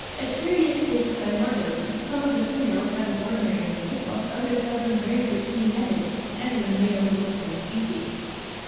a curious case of dimorphism, some of the females having ordinary wings, whilst others have them "very richly netted, as in the males of the same species."